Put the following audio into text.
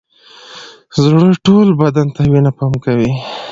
زړه ټول بدن ته وینه پمپ کوي